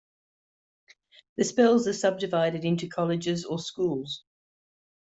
The spells are subdivided into colleges or schools.